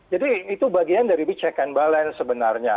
jadi itu bagian dari check and balance sebenarnya